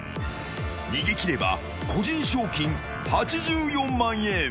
逃げ切れば個人賞金８４万円。